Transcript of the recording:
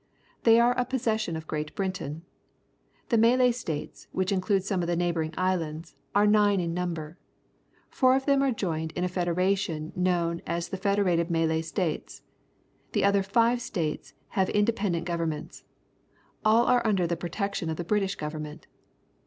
Thej^ are a possession of Great Britain. The j\Ialay States, which include some of the neighbouring islands, are nine in number. Four of them are joined in a federation known as the Federated Malay States. The other five states have inde pendent governments. All are under the protection of the British government.